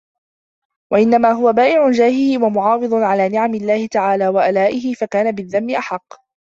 وَإِنَّمَا هُوَ بَائِعُ جَاهِهِ وَمُعَاوِضُ عَلَى نِعَمِ اللَّهِ تَعَالَى وَآلَائِهِ فَكَانَ بِالذَّمِّ أَحَقَّ